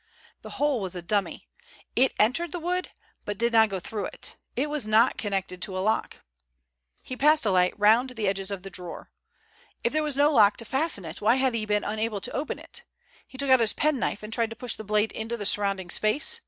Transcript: The hole was a dummy. It entered the wood but did not go through it. It was not connected to a lock. He passed the light round the edges of the drawer. If there was no lock to fasten it why had he been unable to open it? He took out his penknife and tried to push the blade into the surrounding space.